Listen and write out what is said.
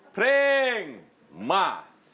เพลงมาก